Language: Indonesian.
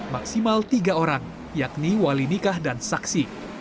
maksimal tiga orang yakni wali nikah dan saksi